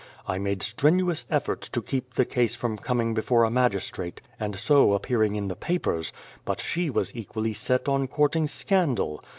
I made strenuous efforts to keep the case from coming before a magistrate, and so appearing in the papers, but she was equally set on courting scandal.